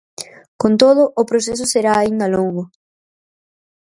Con todo, o proceso será aínda longo.